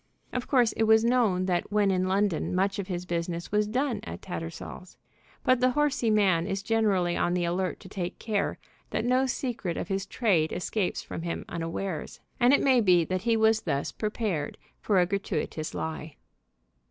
Of course it was known that when in London much of his business was done at Tattersall's. But the horsey man is generally on the alert to take care that no secret of his trade escapes from him unawares. And it may be that he was thus prepared for a gratuitous lie.